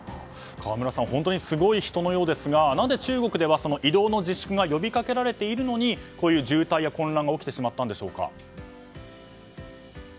河村さん、本当にすごい人のようですがなぜ中国では移動の自粛が呼びかけられているのにこういう渋滞や混乱が起きてしまったんでしょうか。